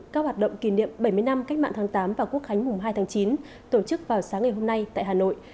các hoạt động kỷ niệm bảy mươi năm cách mạng tháng tám và quốc khánh mùng hai tháng chín tổ chức vào sáng ngày hôm nay tại hà nội